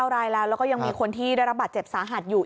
รายแล้วแล้วก็ยังมีคนที่ได้รับบาดเจ็บสาหัสอยู่